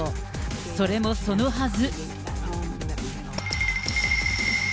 それもそのはず。